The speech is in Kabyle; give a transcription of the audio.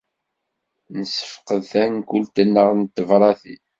Nessefqed tankult-nneɣ n tebṛatin.